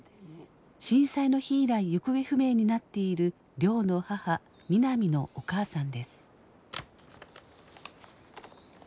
震災の日以来行方不明になっている亮の母美波のお母さんです。